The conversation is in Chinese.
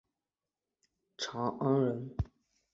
长安人。